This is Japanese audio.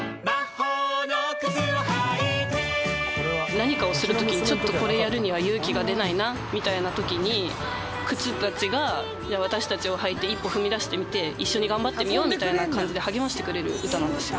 何かをするときに、ちょっとこれやるには勇気が出ないなみたいなときに、靴たちが私たちを履いて一歩踏み出してみて、一緒に頑張ってみようみたいな感じで励ましてくれる歌なんですよ。